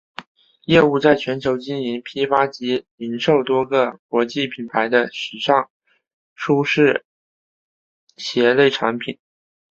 业务在全球经营批发及零售多个国际品牌的时尚舒适鞋类产品。